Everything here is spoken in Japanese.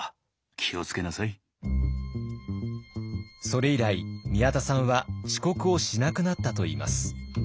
それ以来宮田さんは遅刻をしなくなったといいます。